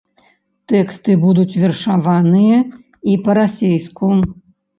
Тэксты будуць вершаваныя і па-расейску.